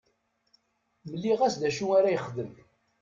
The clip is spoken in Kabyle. Mliɣ-as d acu ara yexdem.